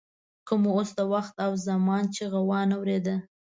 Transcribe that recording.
که مو اوس د وخت او زمان چیغه وانه ورېده.